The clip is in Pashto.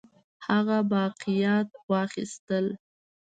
هغه باقیات واخیستل.